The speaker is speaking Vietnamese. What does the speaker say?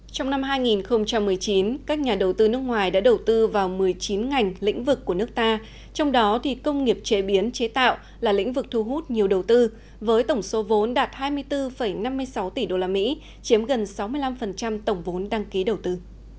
trong năm hai nghìn một mươi chín các nhà đầu tư nước ngoài đã đầu tư vào một mươi chín ngành lĩnh vực của nước ta trong đó thì công nghiệp chế biến chế tạo là lĩnh vực thu hút nhiều đầu tư với tổng số vốn đạt hai mươi bốn năm mươi sáu tỷ usd chiếm gần sáu mươi năm tổng vốn đăng ký đầu tư